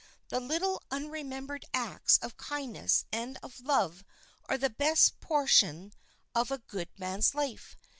The little unremembered acts of kindness and of love are the best portion of a good man's life.